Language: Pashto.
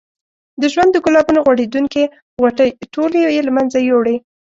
د ژوند د ګلابونو غوړېدونکې غوټۍ ټولې یې له منځه یوړې.